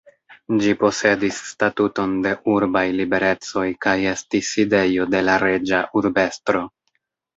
Ĝi posedis statuton de urbaj liberecoj kaj estis sidejo de la reĝa urbestro.